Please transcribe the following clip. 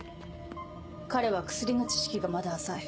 彼は薬の知識がまだ浅い。